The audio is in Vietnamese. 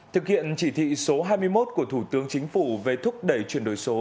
thực hiện chỉ thị số hai mươi một của thủ tướng chính phủ về thúc đẩy chuyển đổi số